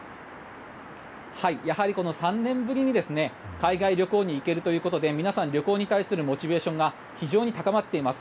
やはり３年ぶりに海外旅行に行けるということで皆さん旅行に対するモチベーションが非常に高まっています。